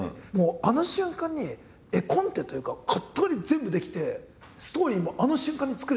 あの瞬間に絵コンテというかカット割り全部できてストーリーもあの瞬間に作れちゃうわけじゃないですか。